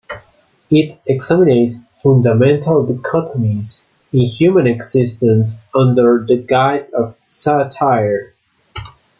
It examines fundamental dichotomies in human existence under the guise of satire.